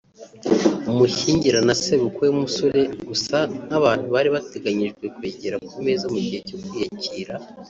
umushyingira na sebukwe w’umusore gusa nk’abantu bari bateganyijwe kwegera mu meza mu gihe cyo kwiyakira